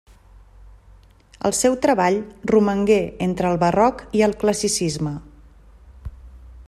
El seu treball romangué entre el Barroc i el Classicisme.